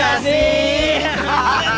dari ibu satunya